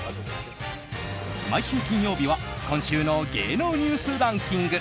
毎週金曜日は今週の芸能ニュースランキング。